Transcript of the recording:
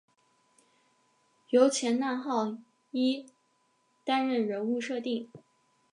由前纳浩一担任人物设定。